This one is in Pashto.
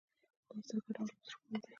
لوستل ګټور او په زړه پوري دي.